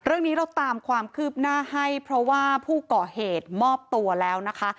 เรื่องนี้เราตามความคืบหน้าให้เพราะว่าผู้ก่อเหตุมอบตัวแล้วนะคะ